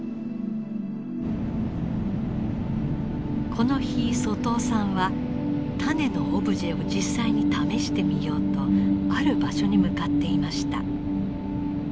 この日外尾さんは種のオブジェを実際に試してみようとある場所に向かっていました。